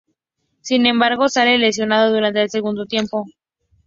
Sin embargo, sale lesionado durante el segundo tiempo.